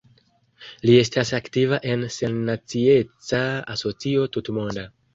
Li estas aktiva en Sennacieca Asocio Tutmonda.